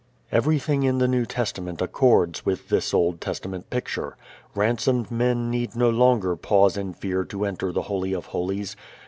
Everything in the New Testament accords with this Old Testament picture. Ransomed men need no longer pause in fear to enter the Holy of Holies.